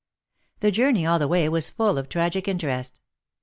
The journey all the way was full of tragic interest.